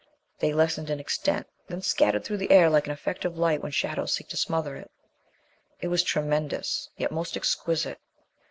They lessened in extent then scattered through the air like an effect of light when shadows seek to smother it. It was tremendous, yet most exquisite.